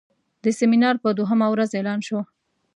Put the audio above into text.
د سیمینار په دوهمه ورځ اعلان شو.